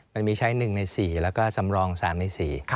มันมีใช้๑ใน๔แล้วก็สำรอง๓ใน๔